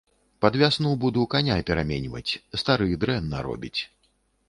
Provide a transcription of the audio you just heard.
Пад вясну буду каня пераменьваць, стары дрэнна робіць.